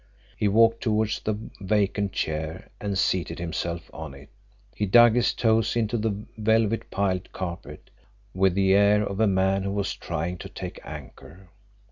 He walked towards the vacant chair and seated himself on it. He dug his toes into the velvet pile carpet with the air of a man who was trying to take anchor.